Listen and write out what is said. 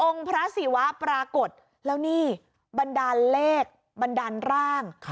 พระศิวะปรากฏแล้วนี่บันดาลเลขบันดาลร่าง